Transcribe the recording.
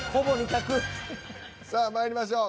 さあまいりましょう。